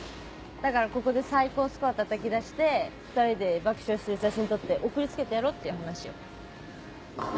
だからここで最高スコアたたき出して２人で爆笑してる写真撮って送りつけてやろって話よ。